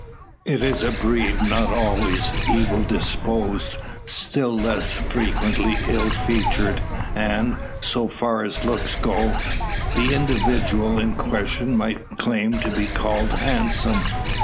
It is a breed not always evil disposed, still less frequently ill featured; and, so far as looks go, the individual in question might claim to be called handsome.